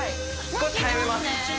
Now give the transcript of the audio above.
少し速めます